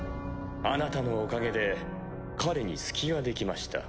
あなたのおかげで彼に隙が出来ました。